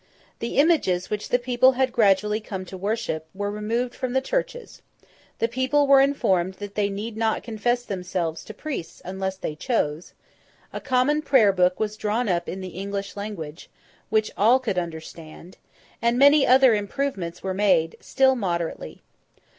The images which the people had gradually come to worship, were removed from the churches; the people were informed that they need not confess themselves to priests unless they chose; a common prayer book was drawn up in the English language, which all could understand, and many other improvements were made; still moderately.